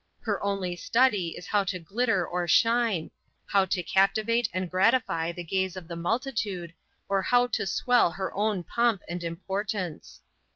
Her only study is how to glitter or shine, how to captivate and gratify the gaze of the multitude, or how to swell her own pomp and importance.